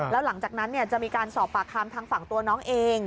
แล้วหลังจากนั้นจะมีการสอบปากคำทางฝั่งตัวน้องเอง